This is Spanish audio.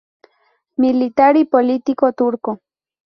Militar y político turco.